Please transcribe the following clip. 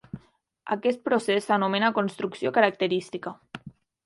Aquest procés s'anomena construcció característica.